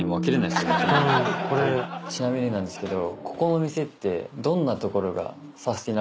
ちなみになんですけど。